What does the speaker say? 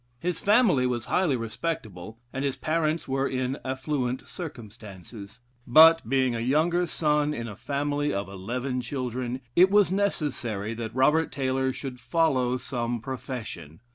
His family was highly respectable, and his parents were in affluent circumstances; but, being a younger son in a family of eleven children, it was necessary that Robert Taylor should follow some profession.